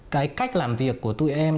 cái cách làm việc của tụi em